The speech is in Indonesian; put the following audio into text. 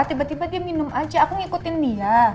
tiba tiba dia minum aja aku ngikutin dia